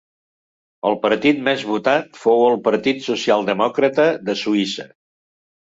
El partit més votat fou el Partit Socialdemòcrata de Suïssa.